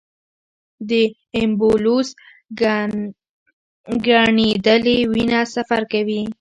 د ایمبولوس ګڼېدلې وینه سفر کوي.